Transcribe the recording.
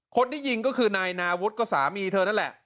คนที่ยิงก็คือนายนาวุฒิก็สามีเธอนั่นแหละ